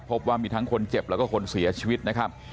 พบว่ามีทั้งคนเจ็บแล้วก็คนเสียชีวิตนะครับ